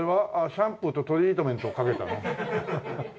シャンプーとトリートメントをかけたの？